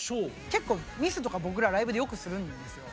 結構ミスとか僕らライブでよくするんですよ。